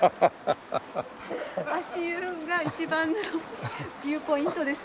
足湯が一番のビューポイントですので。